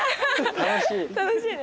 楽しいね！